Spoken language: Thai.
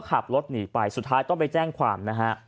ขับรถหนีไปสุดท้ายต้องไปแจ้งความนะฮะ